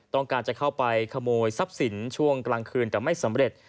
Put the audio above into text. ต้องการจะเข้าไปขโมยทรัพย์สินช่วงกลางคืนแต่ไม่สำเร็จ